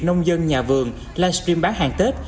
nông dân nhà vườn live stream bán hàng tết